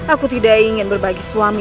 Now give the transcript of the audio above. aku tidak ingin berbagi suami